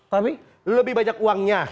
tapi lebih banyak uangnya